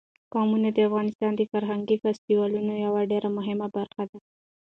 قومونه د افغانستان د فرهنګي فستیوالونو یوه ډېره مهمه برخه ده.